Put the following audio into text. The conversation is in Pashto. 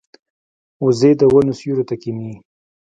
وزې د ونو سیوري ته کیني